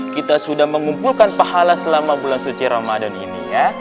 kita sudah mengumpulkan pahala selama bulan suci ramadan ini